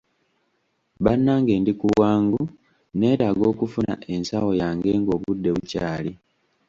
Bannange ndi ku bwangu neetaaga okufuna ensawo yange ng'obudde bukyali.